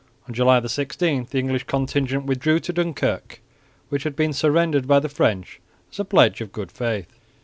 On July 16 the English contingent withdrew to Dunkirk, which had been surrendered by the French as a pledge of good faith.